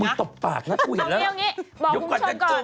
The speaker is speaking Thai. คุณถูกตบปากนะคุณเห็นละเอาไงบอกคุณผู้ชมก่อน